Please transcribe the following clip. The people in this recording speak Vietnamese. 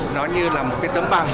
nó như là một cái tấm bằng